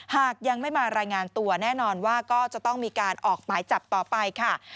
หากยังไม่มารายงานตัวแน่นอนว่าก็จะต้องมีการออกหมายจับต่อไปค่ะ